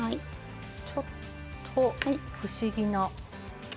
ちょっと不思議な。